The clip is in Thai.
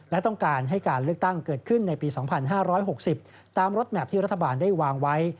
และต้องการให้การเลือกตั้งเกิดขึ้นในปี๒๕๖๐ตามรถแมพที่รัฐบาลได้วางไว้